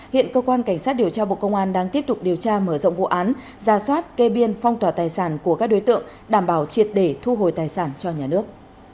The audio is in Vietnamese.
hiện cơ quan cảnh sát điều tra bộ công an đang tiếp tục điều tra mở rộng vụ án ra soát kê biên phong tỏa tài sản của các đối tượng đảm bảo triệt để thu hồi tài sản cho nhà nước